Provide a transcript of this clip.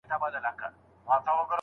ماته ستا شونډې ماته ستا د مخ څېره راښيي